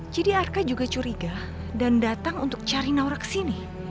jadi arka juga curiga dan datang untuk cari naurah kesini